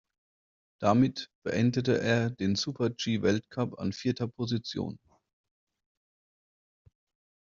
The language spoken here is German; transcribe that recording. Damit beendete er den Super-G-Weltcup an vierter Position.